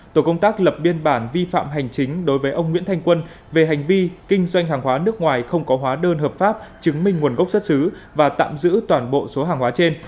tổ công tác lập biên bản vi phạm hành chính đối với ông nguyễn thanh quân về hành vi kinh doanh hàng hóa nước ngoài không có hóa đơn hợp pháp chứng minh nguồn gốc xuất xứ và tạm giữ toàn bộ số hàng hóa trên